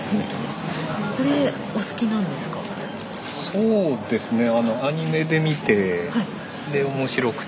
そうですね。